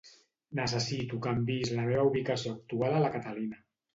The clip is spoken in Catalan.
Necessito que enviïs la meva ubicació actual a la Catalina.